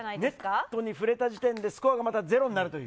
ネットに触れた時点でスコアがゼロになるという。